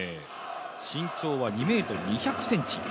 身長は２ｍ＝２００ｃｍ。